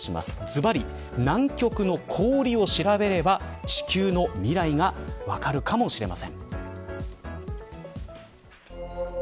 ずばり、南極の氷を調べれば地球の未来が分かるかもしれません。